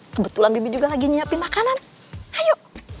kebetulan bibi juga lagi nyiapin makanan ayo